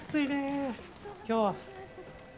今日は。